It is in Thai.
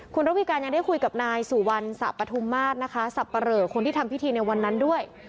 คุณระวิการยังได้คุยกับนายสุวรรณสะปฐุมมาตรนะคะสับปะเหลอคนที่ทำพิธีในวันนั้นด้วย